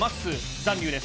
残留です。